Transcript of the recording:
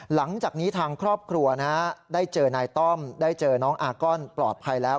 หลังจากนี้ทางครอบครัวได้เจอนายต้อมได้เจอน้องอาก้อนปลอดภัยแล้ว